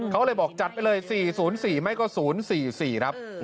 เขาเลยบอกจัดไปเลย๔๐๔ไม่ก็๐๔๔ครับ